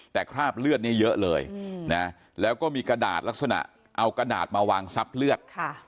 แต่คราบเลือดเนี่ยเยอะเลยนะแล้วก็มีกระดาษลักษณะเอากระดาษมาวางซับเลือด